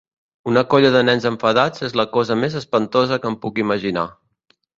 Una colla de nens enfadats és la cosa més espantosa que em puc imaginar.